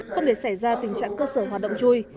không để xảy ra tình trạng cơ sở hoạt động chui